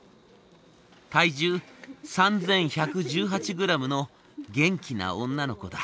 体重３，１１８グラムの元気な女の子だ。